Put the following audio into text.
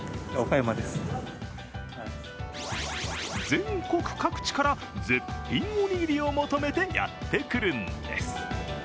全国各地から絶品おにぎりを求めてやってくるんです。